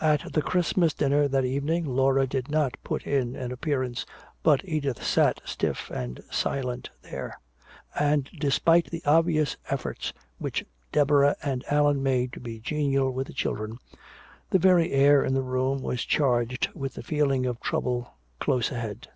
At the Christmas dinner that evening Laura did not put in an appearance, but Edith sat stiff and silent there; and despite the obvious efforts which Deborah and Allan made to be genial with the children, the very air in the room was charged with the feeling of trouble close ahead.